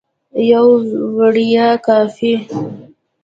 یوه وړیا کاپي